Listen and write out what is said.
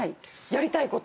やりたいこと。